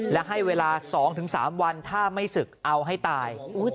และให้เวลา๒๓วันถ้าไม่ศึกเอาให้ตาย